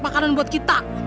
makanan buat kita